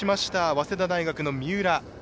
早稲田大学の三浦。